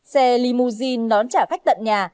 xe limousine đón trả khách tận nhà